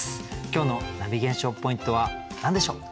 今日のナビゲーション・ポイントは何でしょう？